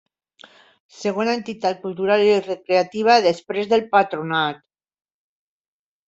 Segona entitat cultural i recreativa després del Patronat.